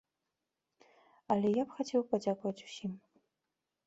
Але я б хацеў падзякаваць усім.